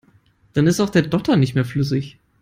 Dann ist auch der Dotter nicht mehr flüssig.